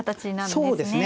そうですね。